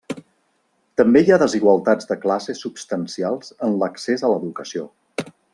També hi ha desigualtats de classe substancials en l'accés a l'educació.